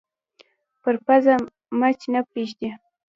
پر پزه مچ نه پرېږدي